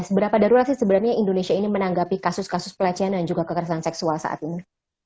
seberapa darurat sih sebenarnya indonesia ini menanggapi kasus kasus pelecehan dan juga kekerasan seksual saat ini